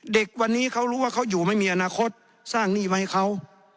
เด็กวันนี้เขารู้ว่าเขาอยู่ไม่มีอนาคตสร้างหนี้ไว้ให้เขา